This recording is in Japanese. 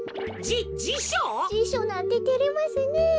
じしょなんててれますねえ。